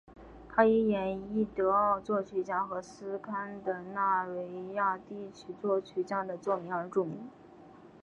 他以演绎德奥作曲家和斯堪的纳维亚地区作曲家的作品而著名。